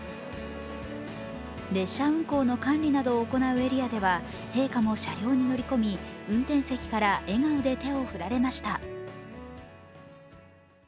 列車運行の管理などを行うエリアでは陛下も車両に乗り込み、運転席から笑顔で手を振られました。